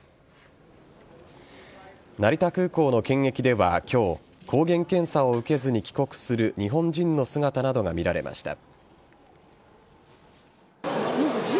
成田空港の検疫では今日抗原検査を受けずに帰国する日本人の姿などが見られました。